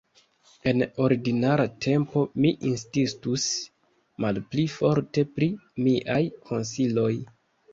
En ordinara tempo mi insistus malpli forte pri miaj konsiloj!